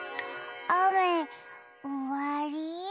あめおわり？